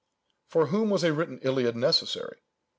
For whom was a written Iliad necessary?